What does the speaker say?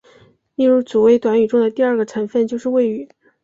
例如主谓短语中的第二个成分就是谓语。